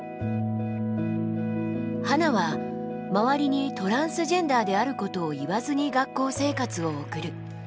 ハナは周りにトランスジェンダーであることを言わずに学校生活を送る。